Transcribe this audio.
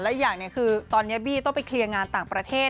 อีกอย่างคือตอนนี้บี้ต้องไปเคลียร์งานต่างประเทศ